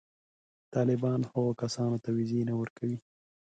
طالبان هغو کسانو ته وېزې نه ورکوي.